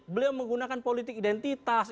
beliau menggunakan politik identitas